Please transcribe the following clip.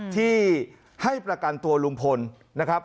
ที่ให้ประกันตัวลุงพลนะครับ